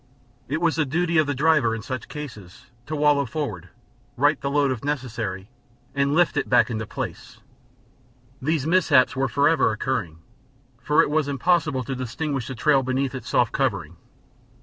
It was the duty of the driver, in such case, to wallow forward, right the load if necessary, and lift it back into place. These mishaps were forever occurring, for it was impossible to distinguish the trail beneath its soft covering.